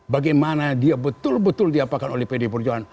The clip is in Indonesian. bagaimana dia betul betul diapakan oleh pd perjuangan